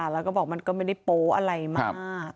แล้วก็บอกมันก็ไม่ได้โป๊ะอะไรมาก